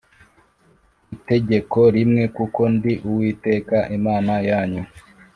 Itegeko rimwe kuko ndi uwiteka imana yanyu